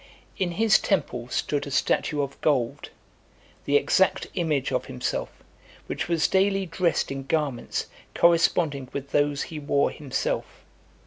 In his temple stood a statue of gold, the exact image of himself, which was daily dressed in garments corresponding with those he wore himself.